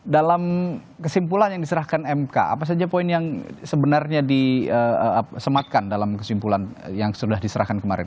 dalam kesimpulan yang diserahkan mk apa saja poin yang sebenarnya disematkan dalam kesimpulan yang sudah diserahkan kemarin